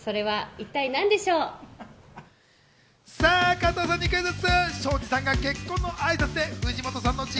加藤さんにクイズッス！